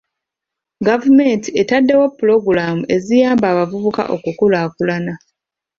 Gavumenti etaddewo pulogulaamu eziyamba abavubuka okukulaakulana.